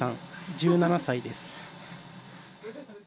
１７歳です。